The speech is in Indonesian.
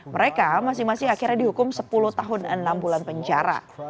mereka masing masing akhirnya dihukum sepuluh tahun enam bulan penjara